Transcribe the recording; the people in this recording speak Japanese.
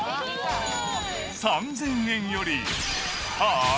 ３０００円よりハイ？